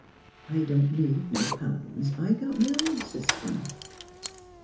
I don't need no patterns. I got m' own system."